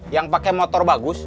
yang pakai motor bagus